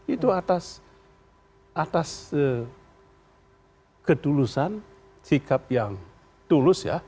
itu atas ketulusan sikap yang tulus ya